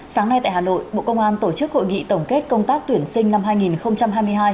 sáng nay tại hà nội bộ công an tổ chức hội nghị tổng kết công tác tuyển sinh năm hai nghìn hai mươi hai